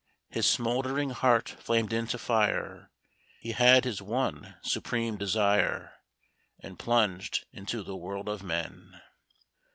His smouldering heart flamed into fire He had his one supreme desire. And plunged into the world of men.